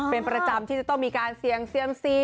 เป็นประจำที่จะต้องมีการเสี่ยงเซียมซี